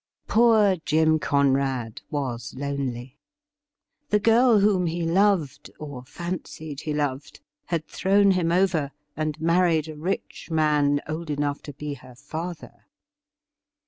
Poor Jim Conrad was lonely. The girl whom he loved, or fancied he loved, had thrown him over and married a rich man old enough to be her father.